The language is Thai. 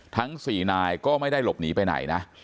ทั้ง๔นายก็ไม่ได้หลบหนีไปไหนนะ